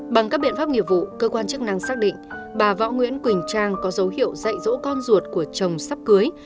bằng các biện pháp nghiệp vụ cơ quan chức năng xác định bà võ nguyễn quỳnh trang có dấu hiệu dạy dỗ con ruột của chồng sắp cưới